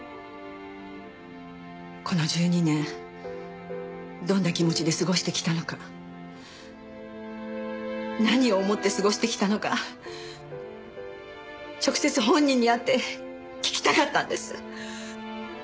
この１２年どんな気持ちで過ごしてきたのか何を思って過ごしてきたのか直接本人に会って聞きたかったんです。